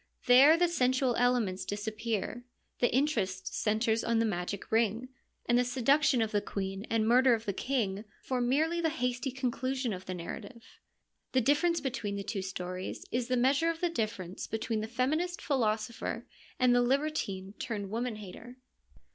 There the sensual elements disappear, the interest centres in the magic ring, and the seduction of the queen and murder of the king form merely the hasty conclusion of the narra tive. The difference between the two stories is the measure of the difference between the feminist philosopher and the libertine turned woman hater.